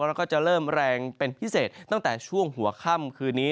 แล้วก็จะเริ่มแรงเป็นพิเศษตั้งแต่ช่วงหัวค่ำคืนนี้